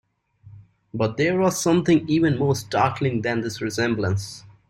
But there was something even more startling than this resemblance.